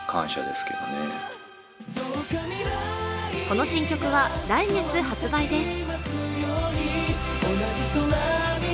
この新曲は来月発売です。